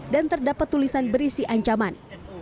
dan terdapat tulisan berisi ancaman